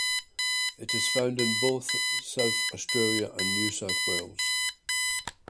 It is found in both South Australia and New South Wales.